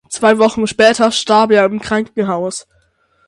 Zwei Wochen später starb er im Krankenhaus.